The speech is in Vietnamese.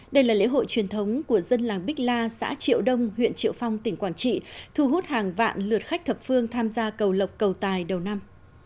đây là lễ hội truyền thống của dân làng bích la xã triệu đông huyện triệu phong tỉnh quảng trị thu hút hàng vạn lượt khách thập phương tham gia cầu lộc cầu tài đầu năm